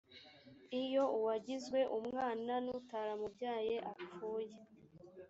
iyo uwagizwe umwana n utaramubyaye apfuye